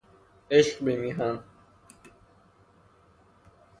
عشق به میهن